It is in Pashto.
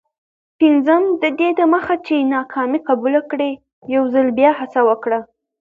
پنځم: ددې دمخه چي ناکامي قبوله کړې، یوځل بیا هڅه وکړه.